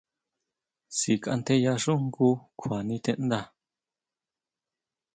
Síkʼantjeyaxú jngu kjua niteʼnda.